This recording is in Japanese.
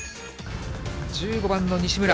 １５番の西村。